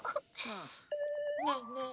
ねえねえ。